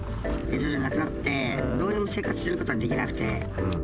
それでなくなって、どうにも生活することができなくて。